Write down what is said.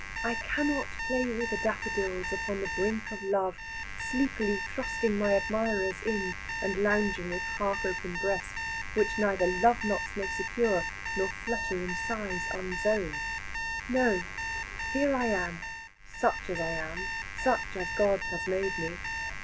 I cannot play with the daffodils upon the brink of love, sleepily thrusting my admirers in, and lounging with half open breast, which neither love knots may secure, nor fluttering sighs unzone. No, here I am, such as I am, such as God has made me.